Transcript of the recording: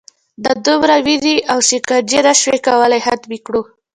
دا دومره وینې او شکنجې نه شو کولای ختمې کړو.